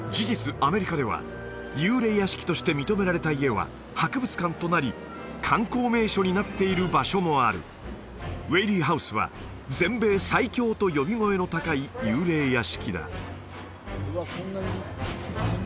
アメリカでは幽霊屋敷として認められた家は博物館となり観光名所になっている場所もあるウェイリーハウスは全米最恐と呼び声の高い幽霊屋敷だ